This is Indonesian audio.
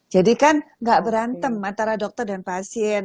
jadi kan tidak berantem antara dokter dan pasien